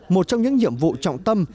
một trong những nhiệm vụ trọng tâm